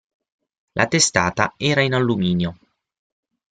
La testata era in alluminio.